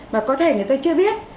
mà có thể người ta chưa biết